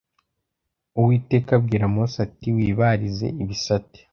uwiteka abwira mose ati wib rize ibisate